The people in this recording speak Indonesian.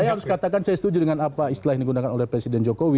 saya harus katakan saya setuju dengan apa istilah yang digunakan oleh presiden jokowi